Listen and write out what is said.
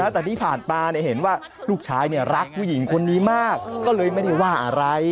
แต่ที่ผ่านมาเห็นว่าลูกชายรักผู้หญิงคนนี้มากก็เลยไม่ได้ว่าอะไร